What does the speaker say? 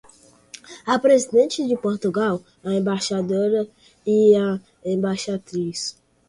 A presidente de Portugal, a embaixadora e a embaixatriz.